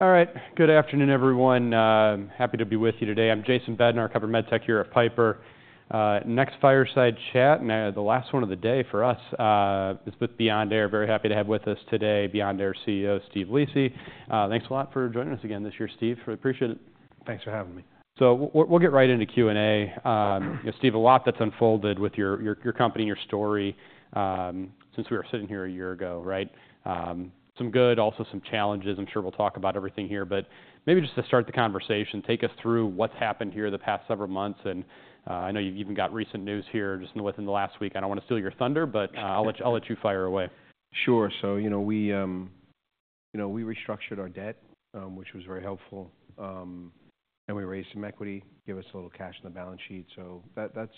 All right. Good afternoon, everyone. Happy to be with you today. I'm Jason Bednar. I cover MedTech here at Piper. Next fireside chat, and the last one of the day for us, is with Beyond Air. Very happy to have with us today Beyond Air CEO Steve Lisi. Thanks a lot for joining us again this year, Steve. Appreciate it. Thanks for having me. So we'll get right into Q&A. You know, Steve, a lot that's unfolded with your company and your story, since we were sitting here a year ago, right? Some good, also some challenges. I'm sure we'll talk about everything here, but maybe just to start the conversation, take us through what's happened here the past several months. And, I know you've even got recent news here just within the last week. I don't want to steal your thunder, but, I'll let you fire away. Sure. So, you know, we, you know, we restructured our debt, which was very helpful, and we raised some equity, gave us a little cash on the balance sheet, so that, that's,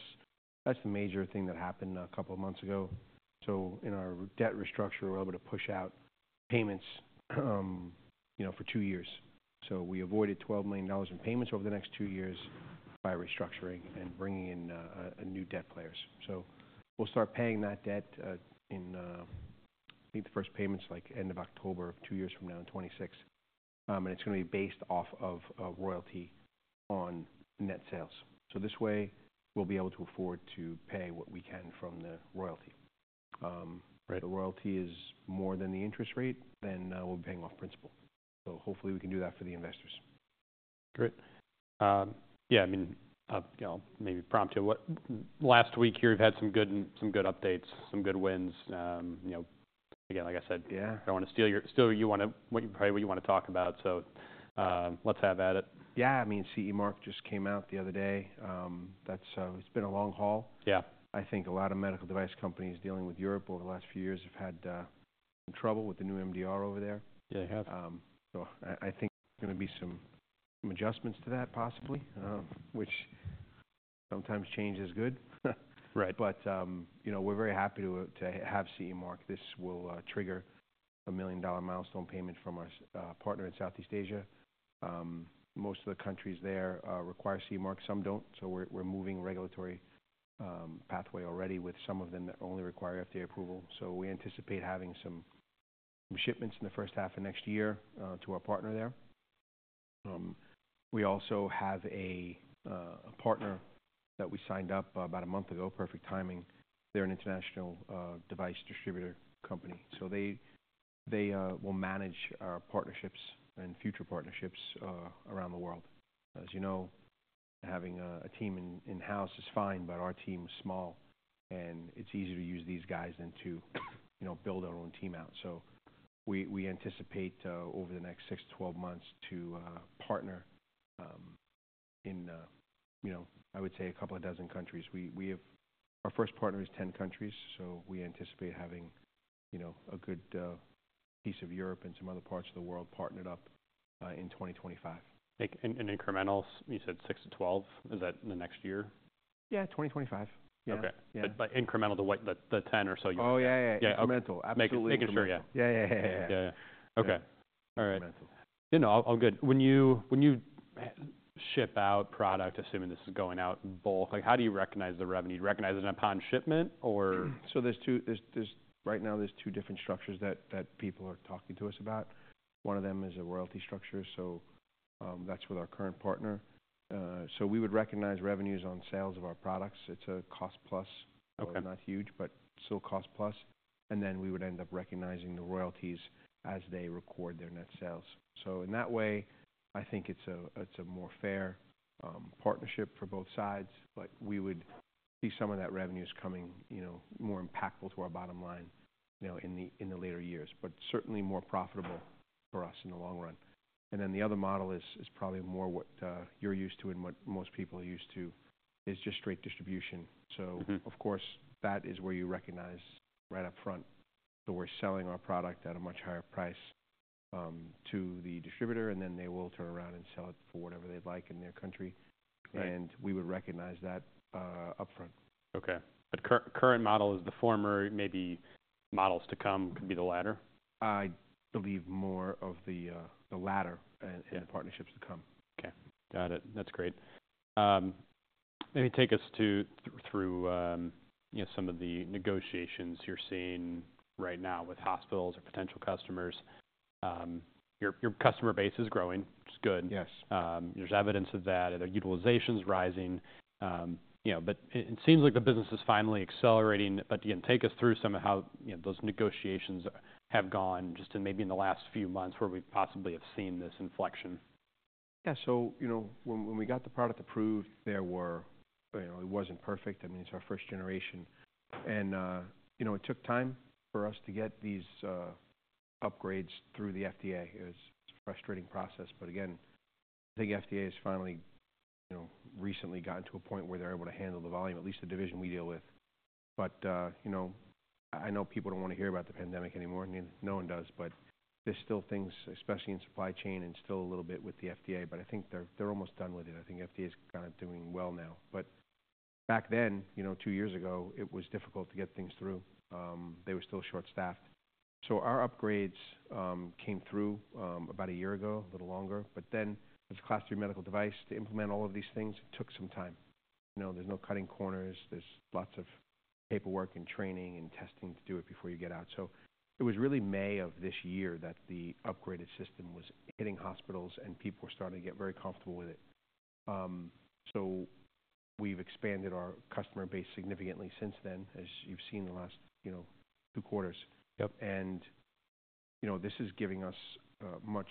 that's the major thing that happened a couple of months ago, so in our debt restructure, we're able to push out payments, you know, for two years, so we avoided $12 million in payments over the next two years by restructuring and bringing in, new debt players, so we'll start paying that debt, in, I think the first payment's like end of October, two years from now in 2026, and it's going to be based off of, royalty on net sales, so this way we'll be able to afford to pay what we can from the royalty. Right. The royalty is more than the interest rate, then, we'll be paying off principal. So hopefully we can do that for the investors. Great. Yeah, I mean, you know, maybe prompt you. What last week here we've had some good, some good updates, some good wins. You know, again, like I said. Yeah. I don't want to steal your thunder. You want to talk about what you probably want to talk about. So, let's have at it. Yeah. I mean, CE Mark just came out the other day. That's, it's been a long haul. Yeah. I think a lot of medical device companies dealing with Europe over the last few years have had some trouble with the new MDR over there. Yeah, they have. So I think there's going to be some adjustments to that possibly, which sometimes change is good. Right. But you know, we're very happy to have CE Mark. This will trigger a $1 million milestone payment from our partner in Southeast Asia. Most of the countries there require CE Mark. Some don't, so we're moving regulatory pathway already with some of them that only require FDA approval. We anticipate having some shipments in the first half of next year to our partner there. We also have a partner that we signed up about a month ago. Perfect timing. They're an international device distributor company, so they will manage our partnerships and future partnerships around the world. As you know, having a team in-house is fine, but our team is small and it's easier to use these guys than to, you know, build our own team out. So we anticipate over the next 6 to 12 months to partner in, you know, I would say a couple of dozen countries. We have our first partner in 10 countries. So we anticipate having, you know, a good piece of Europe and some other parts of the world partnered up in 2025. Like in incrementals, you said six to 12. Is that in the next year? Yeah. 2025. Yeah. Okay. Yeah. But incremental the way the 10 or so you're. Oh, yeah, yeah, yeah. Incremental. Absolutely. Making sure. Yeah. Yeah, yeah, yeah, yeah, yeah, yeah. Yeah, yeah. Okay. All right. Incremental. No, no. I'm good. When you, when you ship out product, assuming this is going out both, like how do you recognize the revenue? Do you recognize it upon shipment or? So there's two different structures that people are talking to us about right now. One of them is a royalty structure. So that's with our current partner. So we would recognize revenues on sales of our products. It's a cost plus. Okay. Not huge, but still cost plus, and then we would end up recognizing the royalties as they record their net sales, so in that way, I think it's a more fair partnership for both sides, but we would see some of that revenue is coming, you know, more impactful to our bottom line, you know, in the later years, but certainly more profitable for us in the long run, and then the other model is probably more what you're used to and what most people are used to is just straight distribution. So, of course, that is where you recognize right up front. So we're selling our product at a much higher price, to the distributor, and then they will turn around and sell it for whatever they'd like in their country and we would recognize that, upfront. Okay, but current model is the former, maybe models to come could be the latter? I believe more of the latter and partnerships to come. Okay. Got it. That's great. Maybe take us through, you know, some of the negotiations you're seeing right now with hospitals or potential customers. Your customer base is growing, which is good. Yes. There's evidence of that and the utilization's rising, you know, but it seems like the business is finally accelerating. But again, take us through some of how, you know, those negotiations have gone just maybe in the last few months where we possibly have seen this inflection. Yeah. So, you know, when we got the product approved, there were, you know, it wasn't perfect. I mean, it's our first generation. And, you know, it took time for us to get these upgrades through the FDA. It was a frustrating process. But again, I think FDA has finally, you know, recently gotten to a point where they're able to handle the volume, at least the division we deal with. But, you know, I know people don't want to hear about the pandemic anymore. No one does. But there's still things, especially in supply chain and still a little bit with the FDA. But I think they're almost done with it. I think FDA's kind of doing well now. But back then, you know, two years ago, it was difficult to get things through. They were still short-staffed. So our upgrades came through about a year ago, a little longer. But then as a Class III medical device to implement all of these things, it took some time. You know, there's no cutting corners. There's lots of paperwork and training and testing to do it before you get out. So it was really May of this year that the upgraded system was hitting hospitals and people were starting to get very comfortable with it. So we've expanded our customer base significantly since then, as you've seen the last, you know, two quarters. Yep. You know, this is giving us much,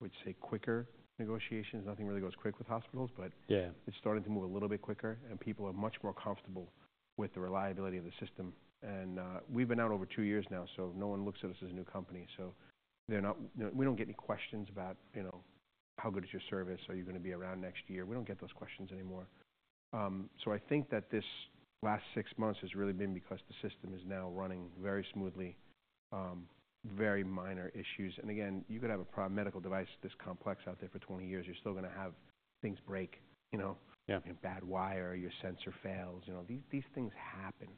I would say, quicker negotiations. Nothing really goes quick with hospitals, but It's starting to move a little bit quicker and people are much more comfortable with the reliability of the system, and we've been out over two years now, so no one looks at us as a new company, so they're not, you know, we don't get any questions about, you know, how good is your service? Are you going to be around next year? We don't get those questions anymore, so I think that this last six months has really been because the system is now running very smoothly, very minor issues, and again, you could have a proven medical device this complex out there for 20 years. You're still going to have things break, you know. You know, bad wire, your sensor fails, you know, these things happen.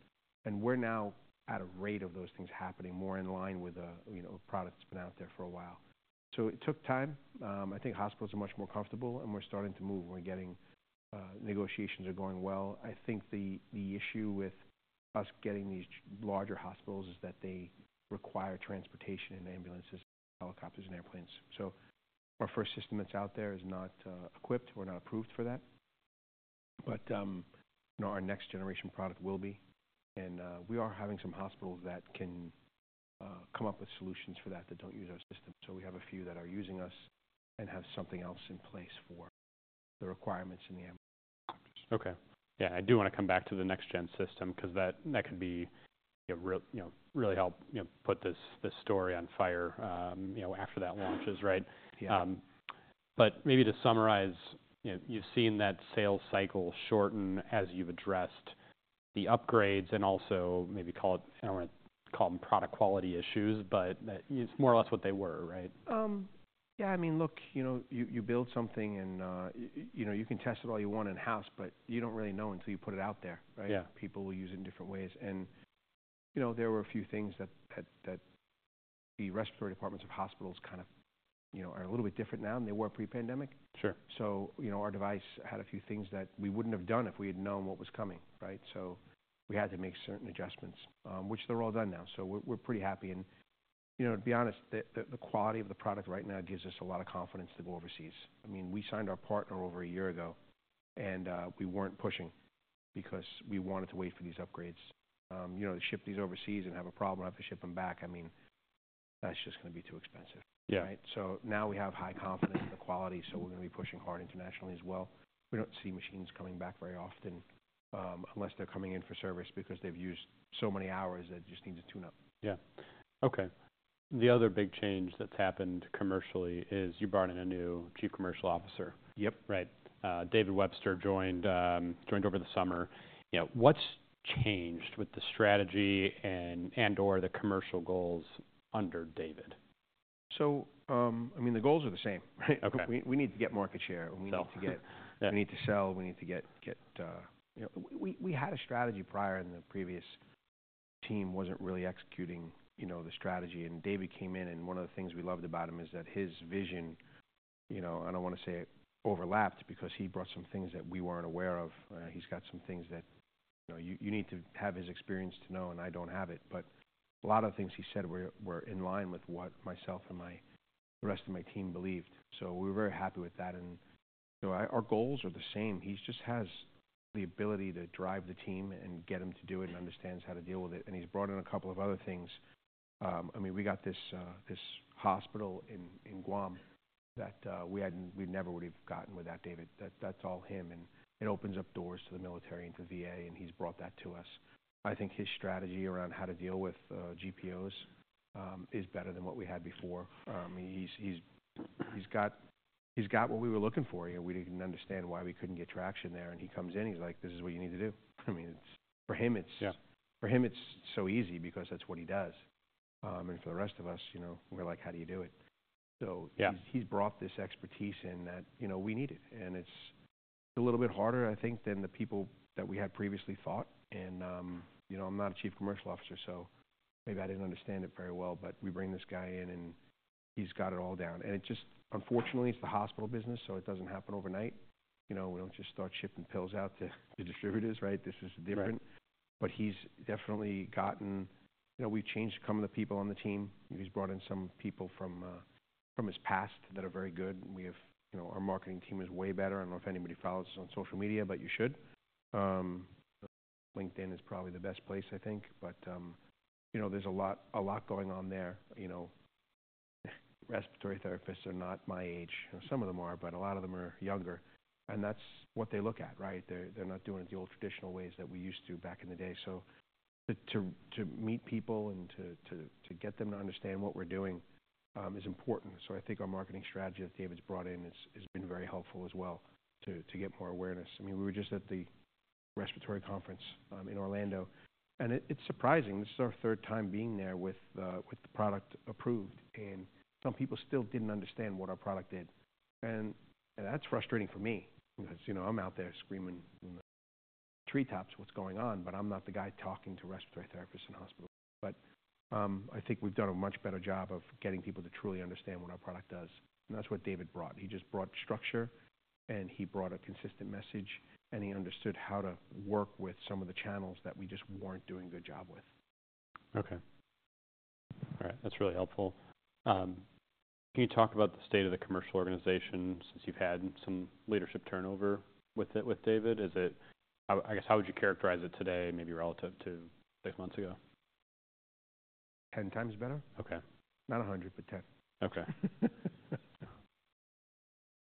We're now at a rate of those things happening more in line with a, you know, a product that's been out there for a while, so it took time. I think hospitals are much more comfortable and we're starting to move. We're getting negotiations that are going well. I think the issue with us getting these larger hospitals is that they require transportation and ambulances, helicopters, and airplanes, so our first system that's out there is not equipped. We're not approved for that, but you know, our next generation product will be. We are having some hospitals that can come up with solutions for that that don't use our system, so we have a few that are using us and have something else in place for the requirements in the ambulance. Okay. Yeah. I do want to come back to the next-gen system because that could be, you know, really help, you know, put this story on fire, you know, after that launches, right? But maybe to summarize, you know, you've seen that sales cycle shorten as you've addressed the upgrades and also maybe call it. I don't want to call them product quality issues, but that it's more or less what they were, right? Yeah. I mean, look, you know, you build something and, you know, you can test it all you want in-house, but you don't really know until you put it out there, right? Yeah. People will use it in different ways. You know, there were a few things that the respiratory departments of hospitals kind of, you know, are a little bit different now than they were pre-pandemic. Sure. So, you know, our device had a few things that we wouldn't have done if we had known what was coming, right? So we had to make certain adjustments, which they're all done now. So we're pretty happy. And, you know, to be honest, the quality of the product right now gives us a lot of confidence to go overseas. I mean, we signed our partner over a year ago and we weren't pushing because we wanted to wait for these upgrades, you know, to ship these overseas and have a problem after shipping back. I mean, that's just going to be too expensive. Yeah. Right? So now we have high confidence in the quality. So we're going to be pushing hard internationally as well. We don't see machines coming back very often, unless they're coming in for service because they've used so many hours that it just needs to tune up. Yeah. Okay. The other big change that's happened commercially is you brought in a new Chief Commercial Officer. Yep. Right. David Webster joined over the summer. You know, what's changed with the strategy and/or the commercial goals under David? I mean, the goals are the same. Okay. We need to get market share and we need to get. Sell. Yeah. We need to sell. We need to get you know we had a strategy prior and the previous team wasn't really executing you know the strategy, and David came in and one of the things we loved about him is that his vision you know I don't want to say it overlapped because he brought some things that we weren't aware of. He's got some things that you know you need to have his experience to know and I don't have it, but a lot of things he said were in line with what myself and the rest of my team believed, so we were very happy with that, and you know our goals are the same. He just has the ability to drive the team and get them to do it and understands how to deal with it. And he's brought in a couple of other things. I mean, we got this hospital in Guam that we never would have gotten without David. That's all him. And it opens up doors to the military and to VA, and he's brought that to us. I think his strategy around how to deal with GPOs is better than what we had before. He's got what we were looking for. You know, we didn't understand why we couldn't get traction there. And he comes in. He's like, "This is what you need to do." I mean, it's for him. For him, it's so easy because that's what he does. And for the rest of us, you know, we're like, "How do you do it?". So, he's brought this expertise in that, you know, we need it. And it's a little bit harder, I think, than the people that we had previously thought. And, you know, I'm not a chief commercial officer, so maybe I didn't understand it very well, but we bring this guy in and he's got it all down. And it just, unfortunately, it's the hospital business, so it doesn't happen overnight. You know, we don't just start shipping pills out to distributors, right? This is different. But he's definitely gotten, you know, we've changed some of the people on the team. He's brought in some people from his past that are very good. We have, you know, our marketing team is way better. I don't know if anybody follows us on social media, but you should. LinkedIn is probably the best place, I think. But, you know, there's a lot, a lot going on there. You know, respiratory therapists are not my age. Some of them are, but a lot of them are younger. And that's what they look at, right? They're not doing it the old traditional ways that we used to back in the day. So to meet people and to get them to understand what we're doing is important. So I think our marketing strategy that David's brought in has been very helpful as well to get more awareness. I mean, we were just at the respiratory conference in Orlando. And it's surprising. This is our third time being there with the product approved. And some people still didn't understand what our product did. And that's frustrating for me because, you know, I'm out there screaming from the rooftops what's going on, but I'm not the guy talking to respiratory therapists in hospitals. But I think we've done a much better job of getting people to truly understand what our product does. And that's what David brought. He just brought structure and he brought a consistent message and he understood how to work with some of the channels that we just weren't doing a good job with. Okay. All right. That's really helpful. Can you talk about the state of the commercial organization since you've had some leadership turnover with it, with David? Is it, I guess, how would you characterize it today, maybe relative to six months ago? 10x better. Okay. Not 100, but 10. Okay.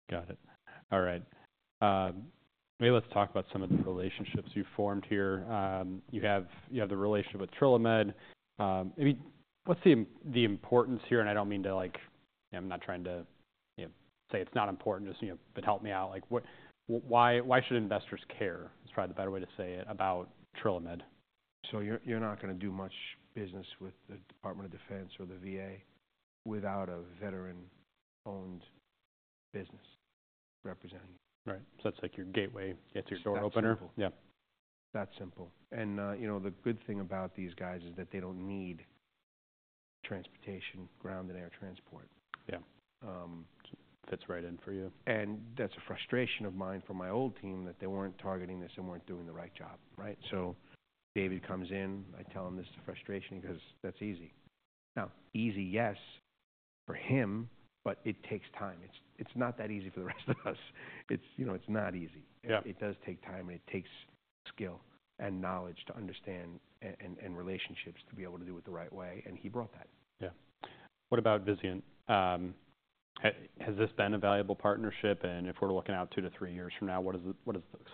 Got it. All right. Maybe let's talk about some of the relationships you've formed here. You have the relationship with Trilomed. Maybe what's the importance here? And I don't mean to, like, I'm not trying to, you know, say it's not important, just, you know, but help me out. Like what, why should investors care? That's probably the better way to say it about Trilomed. So you're not going to do much business with the Department of Defense or the VA without a veteran-owned business representing you. Right. So that's like your gateway to your door opener. That's simple. Yeah. That's simple, and, you know, the good thing about these guys is that they don't need transportation, ground and air transport. Yeah. Fits right in for you. And that's a frustration of mine for my old team that they weren't targeting this and weren't doing the right job, right? So David comes in, I tell him this is a frustration because that's easy. Now, easy, yes, for him, but it takes time. It's, it's not that easy for the rest of us. It's, you know, it's not easy. Yeah. It does take time and it takes skill and knowledge to understand and relationships to be able to do it the right way. And he brought that. Yeah. What about Vizient? Has this been a valuable partnership? And if we're looking out two to three years from now, what does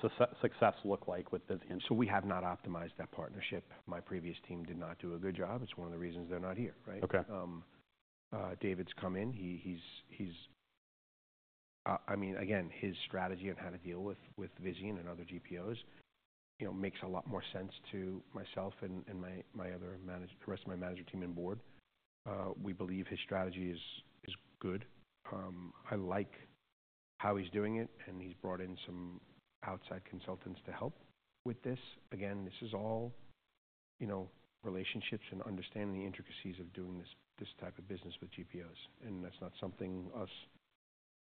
the success look like with Vizient? So we have not optimized that partnership. My previous team did not do a good job. It's one of the reasons they're not here, right? Okay. David's come in. He's, I mean, again, his strategy on how to deal with Vizient and other GPOs, you know, makes a lot more sense to myself and my other manager, the rest of my management team and board. We believe his strategy is good. I like how he's doing it. And he's brought in some outside consultants to help with this. Again, this is all, you know, relationships and understanding the intricacies of doing this type of business with GPOs. And that's not something us,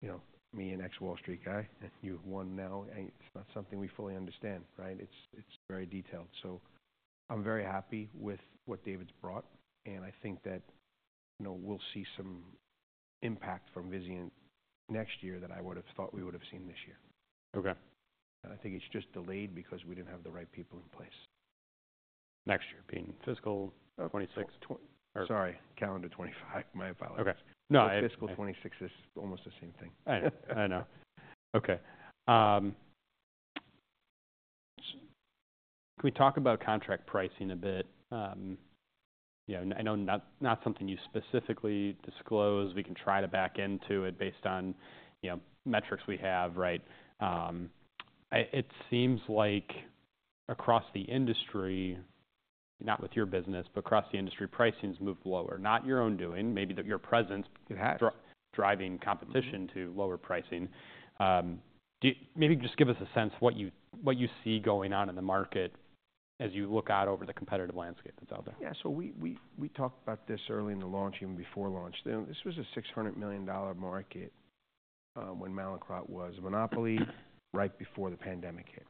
you know, me and ex-Wall Street guy, you know. It's not something we fully understand, right? It's very detailed. So I'm very happy with what David's brought. And I think that, you know, we'll see some impact from Vizient next year that I would have thought we would have seen this year. Okay. I think it's just delayed because we didn't have the right people in place. Next year being fiscal 2026? Oh, 20. Or. Sorry, calendar 25. My apologies. Okay. No, I. Fiscal 2026 is almost the same thing. I know. I know. Okay. Can we talk about contract pricing a bit? You know, I know not, not something you specifically disclose. We can try to back into it based on, you know, metrics we have, right? It seems like across the industry, not with your business, but across the industry, pricing has moved lower. Not your own doing. Maybe your presence. It has. Driving competition to lower pricing. Do you maybe just give us a sense of what you, what you see going on in the market as you look out over the competitive landscape that's out there? Yeah, so we talked about this early in the launch and before launch. This was a $600 million market, when Mallinckrodt was a monopoly right before the pandemic hit.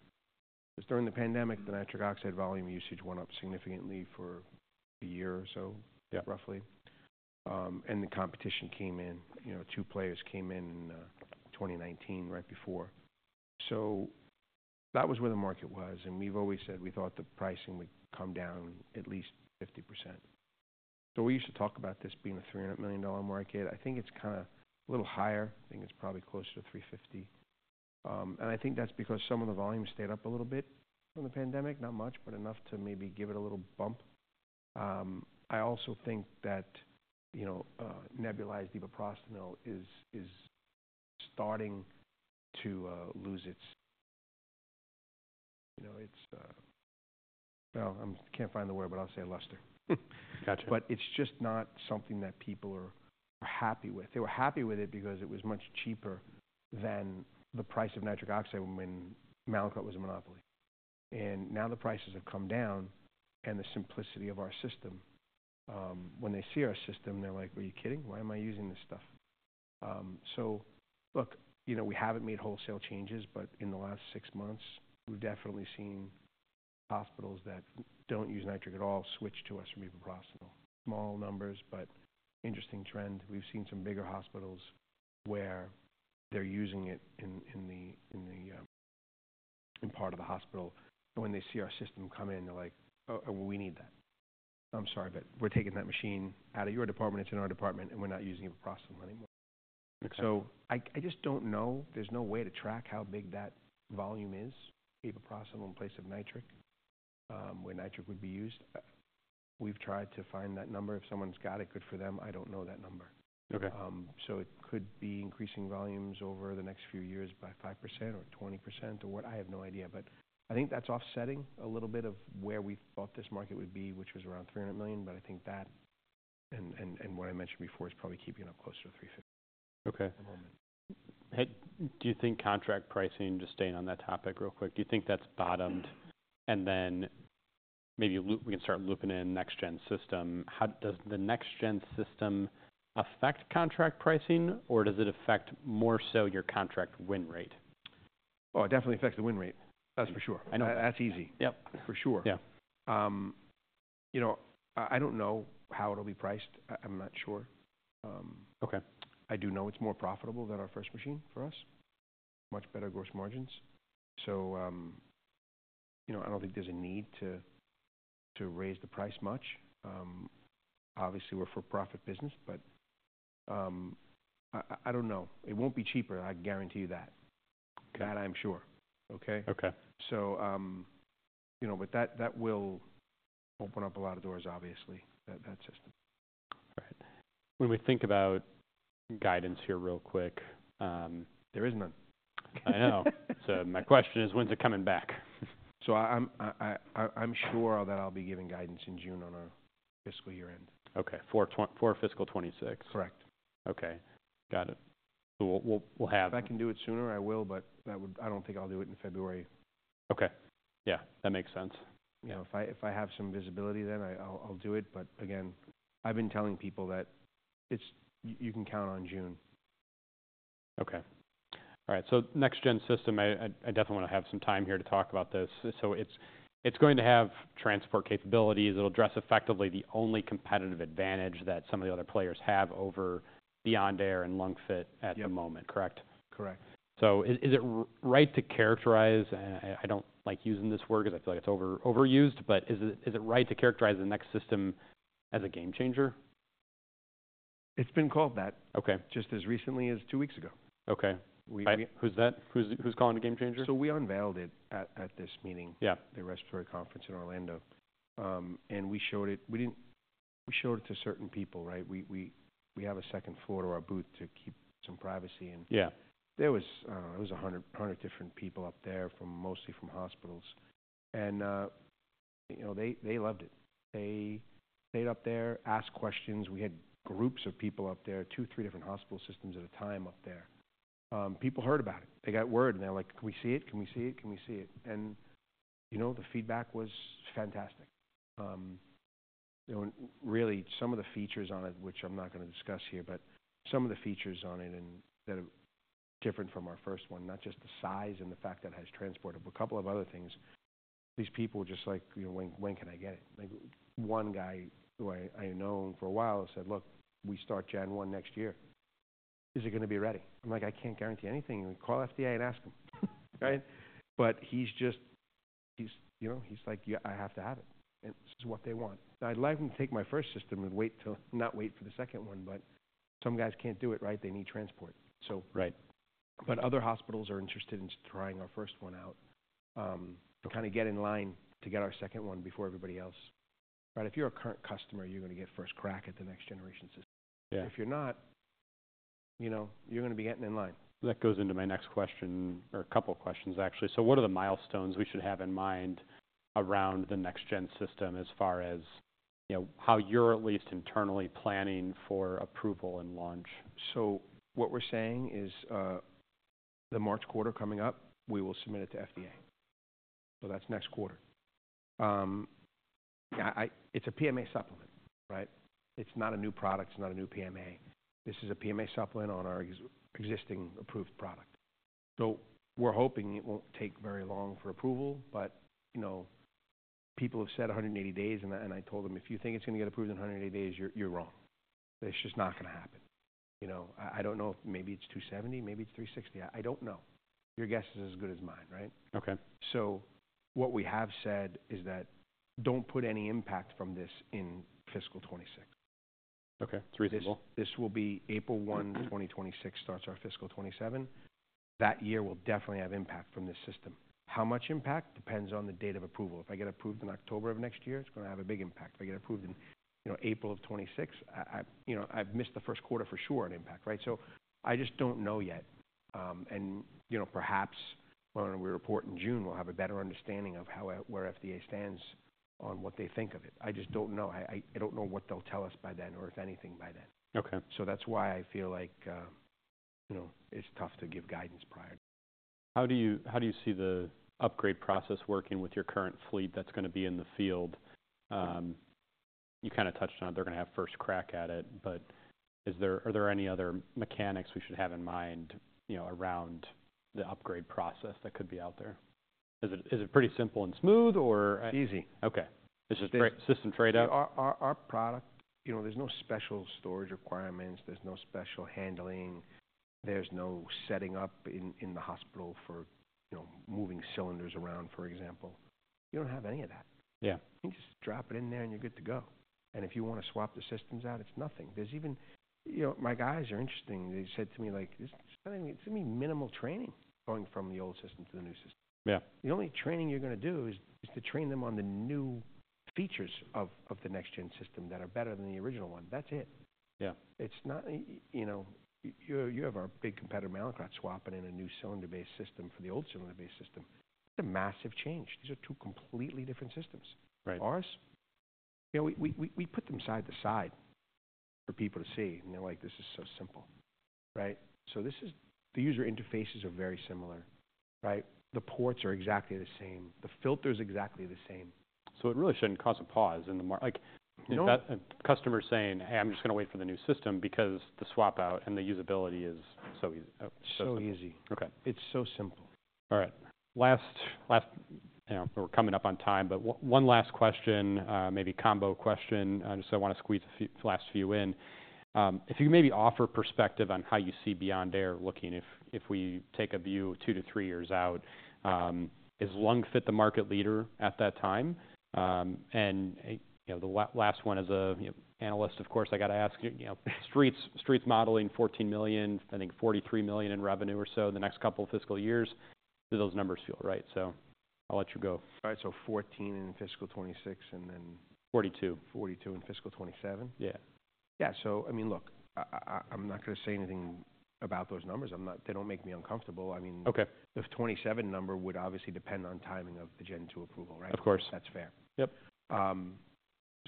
It was during the pandemic that nitric oxide volume usage went up significantly for a year or so. Yeah. Roughly, and the competition came in, you know, two players came in in 2019, right before. So that was where the market was. And we've always said we thought the pricing would come down at least 50%. So we used to talk about this being a $300 million market. I think it's kind of a little higher. I think it's probably closer to 350. And I think that's because some of the volume stayed up a little bit from the pandemic. Not much, but enough to maybe give it a little bump. I also think that, you know, nebulized Treprostinil is starting to lose its luster. Gotcha. But it's just not something that people are happy with. They were happy with it because it was much cheaper than the price of nitric oxide when Mallinckrodt was a monopoly. And now the prices have come down and the simplicity of our system. When they see our system, they're like, "Are you kidding? Why am I using this stuff?" So look, you know, we haven't made wholesale changes, but in the last six months, we've definitely seen hospitals that don't use nitric at all switch to us from Treprostinil. Small numbers, but interesting trend. We've seen some bigger hospitals where they're using it in part of the hospital. And when they see our system come in, they're like, "Oh, we need that." I'm sorry, but we're taking that machine out of your department. It's in our department and we're not using Treprostinil anymore. So I just don't know. There's no way to track how big that volume is. Treprostinil in place of nitric, where nitric would be used. We've tried to find that number. If someone's got it, good for them. I don't know that number. So it could be increasing volumes over the next few years by 5% or 20% or what? I have no idea. But I think that's offsetting a little bit of where we thought this market would be, which was around $300 million. But I think that and what I mentioned before is probably keeping up close to $350 million. Okay. At the moment. Do you think contract pricing, just staying on that topic real quick, do you think that's bottomed? And then maybe we can start looping in Next Gen System. How does the Next Gen System affect contract pricing or does it affect more so your contract win rate? Oh, it definitely affects the win rate. That's for sure. I know. That's easy. Yep. For sure. Yeah. You know, I don't know how it'll be priced. I'm not sure. Okay. I do know it's more profitable than our first machine for us. Much better gross margins. So, you know, I don't think there's a need to raise the price much. Obviously we're a for-profit business, but I don't know. It won't be cheaper. I guarantee you that. That I'm sure. Okay? Okay. So, you know, but that will open up a lot of doors, obviously, that system. All right. When we think about guidance here real quick. There is none. I know. So my question is, when's it coming back? So I'm sure that I'll be giving guidance in June on our fiscal year end. Okay. For fiscal 2026? Correct. Okay. Got it. So we'll have. If I can do it sooner, I will, but that would, I don't think I'll do it in February. Okay. Yeah. That makes sense. You know, if I have some visibility, then I'll do it. But again, I've been telling people that you can count on June. Okay. All right. So Next Gen System, I definitely want to have some time here to talk about this. So it's going to have transport capabilities. It'll address effectively the only competitive advantage that some of the other players have over Beyond Air and LungFit at the moment. Correct? Correct. Is it right to characterize, and I don't like using this word because I feel like it's overused, but is it right to characterize the next-generation system as a game changer? It's been called that. Okay. Just as recently as two weeks ago. Okay. Who's that? Who's, who's calling it game changer? So we unveiled it at this meeting. Yeah. The respiratory conference in Orlando, and we showed it to certain people, right? We have a second floor to our booth to keep some privacy. And. Yeah. There was, I don't know, it was 100, 100 different people up there, mostly from hospitals, and you know, they loved it. They stayed up there, asked questions. We had groups of people up there, two, three different hospital systems at a time up there. People heard about it. They got word and they're like, "Can we see it? Can we see it? Can we see it?" and you know, the feedback was fantastic. You know, really some of the features on it, which I'm not going to discuss here, but some of the features on it and that are different from our first one, not just the size and the fact that it has transport, but a couple of other things. These people were just like, you know, "When, when can I get it?" Like one guy who I know for a while said, "Look, we start Gen One next year. Is it going to be ready?" I'm like, "I can't guarantee anything. Call FDA and ask them." Right? But he's just, you know, like, "Yeah, I have to have it." And this is what they want. I'd like them to take my first system and wait till, not wait for the second one, but some guys can't do it, right? They need transport. So, but other hospitals are interested in trying our first one out, to kind of get in line to get our second one before everybody else. But if you're a current customer, you're going to get first crack at the Next Generation System. Yeah. If you're not, you know, you're going to be getting in line. That goes into my next question or a couple of questions actually. So what are the milestones we should have in mind around the Next Gen System as far as, you know, how you're at least internally planning for approval and launch? So what we're saying is, the March quarter coming up, we will submit it to FDA. So that's next quarter. It's a PMA supplement, right? It's not a new product. It's not a new PMA. This is a PMA supplement on our existing approved product. So we're hoping it won't take very long for approval, but, you know, people have said 180 days and I told them if you think it's going to get approved in 180 days, you're wrong. It's just not going to happen. You know, I don't know if maybe it's 270, maybe it's 360. I don't know. Your guess is as good as mine, right? Okay. So what we have said is that don't put any impact from this in fiscal 2026. Okay. It's reasonable. This will be April 1, 2026 starts our fiscal 27. That year will definitely have impact from this system. How much impact depends on the date of approval. If I get approved in October of next year, it's going to have a big impact. If I get approved in, you know, April of 2026, I, you know, I've missed the first quarter for sure on impact, right? So I just don't know yet, and you know, perhaps when we report in June, we'll have a better understanding of how, where FDA stands on what they think of it. I just don't know. I don't know what they'll tell us by then or if anything by then. So that's why I feel like, you know, it's tough to give guidance prior. How do you see the upgrade process working with your current fleet that's going to be in the field? You kind of touched on it. They're going to have first crack at it, but are there any other mechanics we should have in mind, you know, around the upgrade process that could be out there? Is it pretty simple and smooth or? Easy. Okay. It's just system trade-off? Our product, you know, there's no special storage requirements. There's no special handling. There's no setting up in the hospital for, you know, moving cylinders around, for example. You don't have any of that. Yeah. You just drop it in there and you're good to go. And if you want to swap the systems out, it's nothing. There's even, you know, my guys are interesting. They said to me like, "This is going to be minimal training going from the old system to the new system. The only training you're going to do is to train them on the new features of the Next Gen System that are better than the original one. That's it. It's not, you know, you have our big competitor Mallinckrodt swapping in a new cylinder-based system for the old cylinder-based system. It's a massive change. These are two completely different systems. Ours, you know, we put them side to side for people to see, and they're like, "This is so simple." Right? So this is the user interfaces are very similar, right? The ports are exactly the same. The filter is exactly the same. So it really shouldn't cause a pause in the market like. No. Customers saying, "Hey, I'm just going to wait for the new system because the swap out and the usability is so easy. It's so easy. Okay. It's so simple. All right. Last, last, you know, we're coming up on time, but one last question, maybe combo question. Just I want to squeeze a few last few in. If you can maybe offer perspective on how you see Beyond Air looking if we take a view two to three years out, is LungFit the market leader at that time? And, you know, the last one as a, you know, analyst, of course, I got to ask, you know, Street's modeling $14 million, I think $43 million in revenue or so in the next couple of fiscal years. Do those numbers feel right? So I'll let you go. All right, so 14 in fiscal 2026 and then. 42. 42 in fiscal 27. Yeah. Yeah. So I mean, look, I’m not going to say anything about those numbers. I’m not, they don’t make me uncomfortable. I mean. Okay. The 27 number would obviously depend on timing of the Gen 2 approval, right? Of course. That's fair. Yep.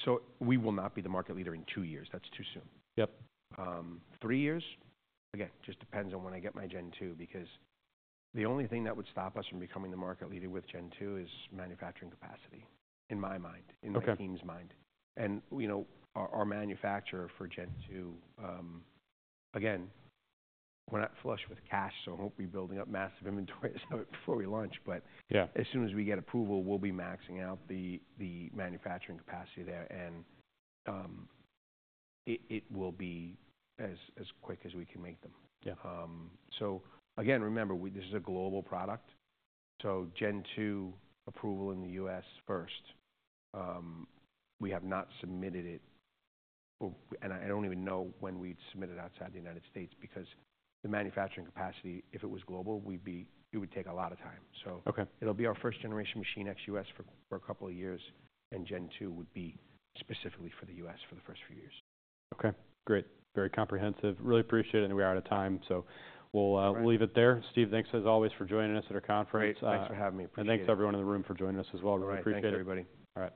So we will not be the market leader in two years. That's too soon. Yep. Three years, again, just depends on when I get my Gen 2 because the only thing that would stop us from becoming the market leader with Gen 2 is manufacturing capacity in my mind, in the team's mind. And, you know, our, our manufacturer for Gen 2, again, we're not flush with cash, so I won't be building up massive inventories before we launch. But as soon as we get approval, we'll be maxing out the manufacturing capacity there. And it will be as quick as we can make them.nSo again, remember, this is a global product. So Gen 2 approval in the U.S. first. We have not submitted it, and I don't even know when we'd submit it outside the United States because the manufacturing capacity, if it was global, we'd be, it would take a lot of time. So It'll be our first generation machine ex-U.S. for a couple of years. And Gen 2 would be specifically for the U.S. for the first few years. Okay. Great. Very comprehensive. Really appreciate it. I know we are out of time. So we'll, we'll leave it there. Steve, thanks as always for joining us at our conference. Thanks for having me. Thanks to everyone in the room for joining us as well. Really appreciate it. Thanks, everybody. All right.